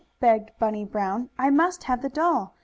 begged Bunny Brown. "I must have the doll.